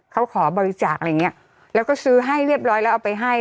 เขาขอบริจาคอะไรอย่างเงี้ยแล้วก็ซื้อให้เรียบร้อยแล้วเอาไปให้